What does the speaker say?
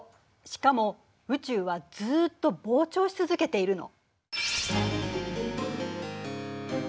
しかも宇宙はずっと膨張し続けているの。